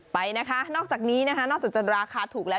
ไปนะคะนอกจากนี้นะคะนอกจากจะราคาถูกแล้ว